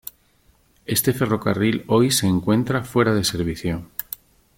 Este ferrocarril hoy se encuentra fuera de servicio.